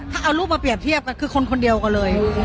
ถ้าเอารูปมาเรียบเทียบกันคือคนคนเดียวกันเลย